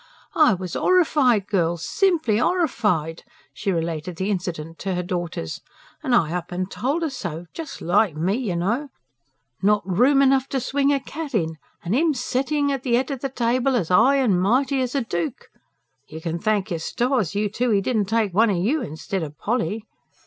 "I was 'orrified, girls, simply 'ORRIFIED!" she related the incident to her daughters. "An' I up an' told 'er so just like me, you know. Not room enough to swing a cat in, and 'im sittin' at the 'ead of the table as 'igh an' mighty as a dook! You can thank yer stars, you two, 'e didn't take one o' you instead o' Polly."